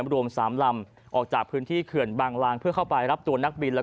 รวม๓ลำออกจากพื้นที่เขื่อนบางลางเพื่อเข้าไปรับตัวนักบินและ